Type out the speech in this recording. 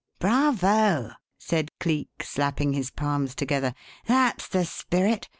"Bravo!" said Cleek, slapping his palms together. "That's the spirit.